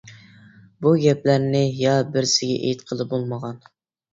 بۇ گەپلەرنى يا بىرسىگە ئېيتقىلى بولمىغان.